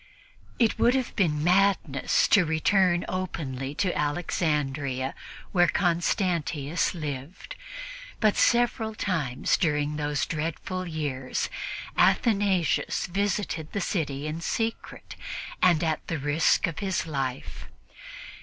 It would have been madness to return openly to Alexandria while Constantius lived, but several times during those dreadful years Athanasius visited the city in secret and at the risk of his life.